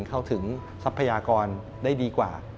เข้าถึงทรัพยากรได้ดีกว่า